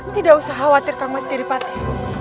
tidak usah khawatirkan mas giripati